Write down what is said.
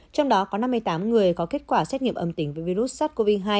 trong đó có năm mươi tám người có kết quả xét nghiệm âm tính với virus sars cov hai